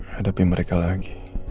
hadapi mereka lagi